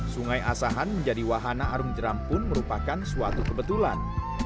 sungai asahan menjadi wahana arung jeram pun merupakan suatu kebetulan